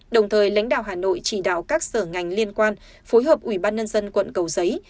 đồng thời lãnh đạo hà nội chỉ đạo các sở ngành liên quan phối hợp ủy ban nhân dân quận cầu giấy